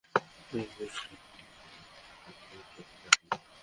তবে কুষ্টিয়া শহর থেকে পুলিশ প্রহরায় বিশ্ববিদ্যালয়ের বাসগুলো ক্যাম্পাসে আনা হয়।